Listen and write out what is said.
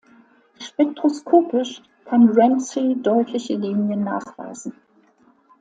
Spektroskopisch kann Ramsay deutliche Linien nachweisen.